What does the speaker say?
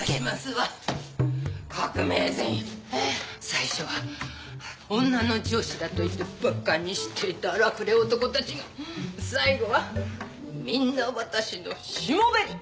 最初は女の上司だといって馬鹿にしていた荒くれ男たちが最後はみんな私のしもべに！